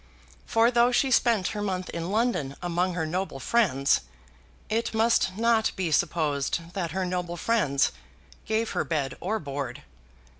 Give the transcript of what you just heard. For though she spent her month in London among her noble friends, it must not be supposed that her noble friends gave her bed or board.